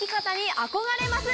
憧れますよ。